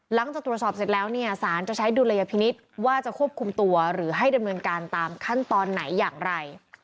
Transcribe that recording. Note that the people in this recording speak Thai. หลังจากตรวจสอบเสร็จแล้วเนี่ยสารจะใช้ดุลยพินิษฐ์ว่าจะควบคุมตัวหรือให้ดำเนินการตามขั้นตอนไหนอย่างไร